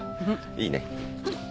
いいね。